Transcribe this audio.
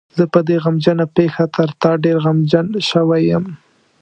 زه په دې غمجنه پېښه تر تا ډېر غمجن شوی یم.